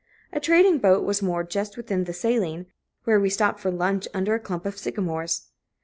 A trading boat was moored just within the Saline, where we stopped for lunch under a clump of sycamores.